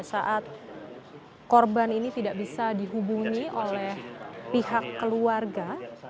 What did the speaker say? saat korban ini tidak bisa dihubungi oleh pihak keluarga